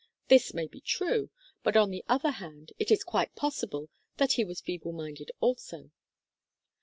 This may be true, but on the other hand, it is quite possible that he was feeble minded also.